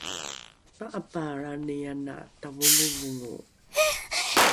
pa’apaalrani ana tavongovongo